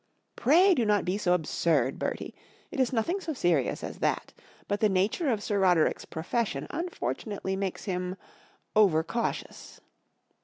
fi Pray do not be so absurd, Bertie, It is nothing so serious as that. But the nature of Sir Roderick's profession unfortunately makes 1 1 i tn —o ver ca u t io us."